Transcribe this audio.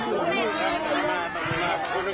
ใจยุกใจยุกใจยุกใจยุก